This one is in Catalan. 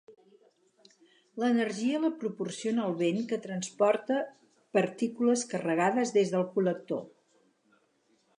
L'energia la proporciona el vent que transporta partícules carregades des del col·lector.